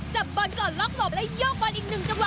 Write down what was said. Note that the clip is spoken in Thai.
จับบอลก่อนล็อกหลบและโยกบอลอีกหนึ่งจังห